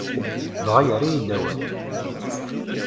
Dɣa yerra-yi-d awal.